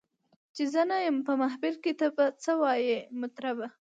چي زه نه یم په محفل کي ته به څه وایې مطربه